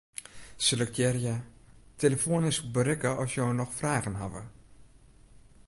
Selektearje 'telefoanysk berikke as jo noch fragen hawwe'.